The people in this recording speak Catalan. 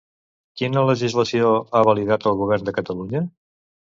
Quina legislació ha validat el govern de Catalunya?